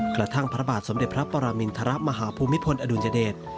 กระทั่งพระบาทสมเด็จพระปรามิณฐรัพย์มหาภูมิพลอดุลยเดช